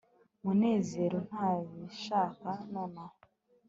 munezero ntabishaka nonaha